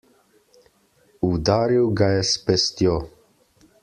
Udaril ga je s pestjo!